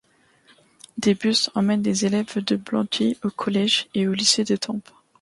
Des bus emmènent les élèves de Blandy aux collèges et aux lycées d’Étampes.